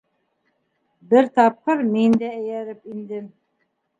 Бер тапҡыр мин дә эйәреп индем.